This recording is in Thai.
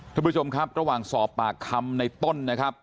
ทุกผู้ชมครับระหว่างสอบปากคำในต้นนะครับ